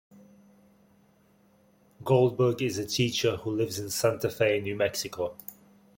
Goldberg is a teacher who lives in Santa Fe, New Mexico.